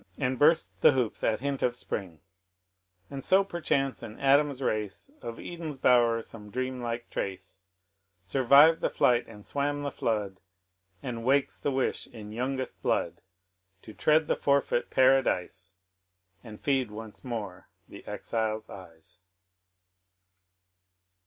And bursts the hoops at hint of spring: And so, perchance, in Adam's race, Of Eden's bower some dream like trace Sanrived the Flight and swam the Flood, And wakes the wish in youngest blood To tread the forfeit Paradise, And feed once more the exile's eyes.